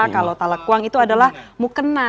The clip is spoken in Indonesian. kalau talakwang itu adalah mukena